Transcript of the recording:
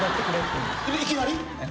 いきなり！？